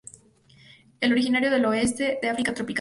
Es originario del oeste de África tropical.